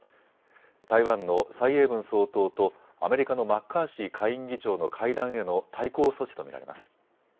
台湾の蔡英文総統とアメリカのマッカーシー下院議長の会談への対抗措置と見られます。